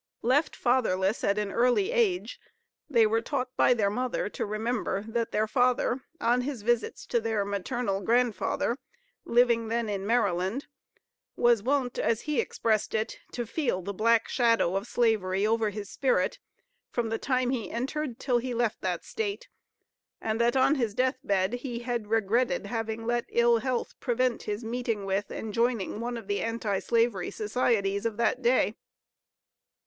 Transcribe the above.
Left fatherless at an early age, they were taught by their mother to remember that their father, on his visits to their maternal grandfather, living then in Maryland, was wont, as he expressed it, to feel the black shadow of slavery over his spirit, from the time he entered, till he left, the State; and that, on his death bed, he had regretted having let ill health prevent his meeting with, and joining one of the Anti slavery Societies of that day.